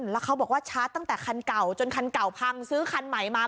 แล้วเขาบอกว่าชาร์จตั้งแต่คันเก่าจนคันเก่าพังซื้อคันใหม่มา